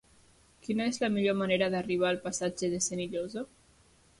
Quina és la millor manera d'arribar al passatge de Senillosa?